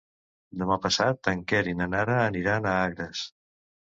Demà passat en Quer i na Nara aniran a Agres.